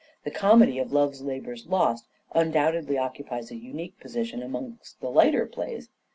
The comedy of " Love's Labour's Lost " undoubtedly occupies a unique position amongst the lighter plays.